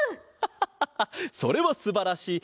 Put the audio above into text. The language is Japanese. ハハハハそれはすばらしい。